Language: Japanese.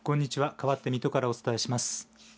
かわって水戸からお伝えします。